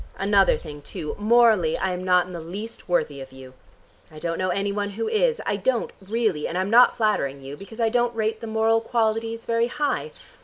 Another thing, too: morally, I am not in the least worthy of you. I don't know any one who is. I don't really, and I'm not flattering you, because I don't rate the moral qualities very high.